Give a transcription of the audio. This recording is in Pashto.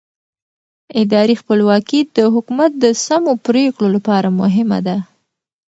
اداري خپلواکي د حکومت د سمو پرېکړو لپاره مهمه ده